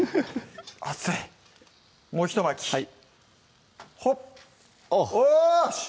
熱いもうひと巻きはいほっおぉ！